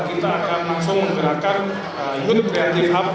kita akan langsung mengerakan youth creative hub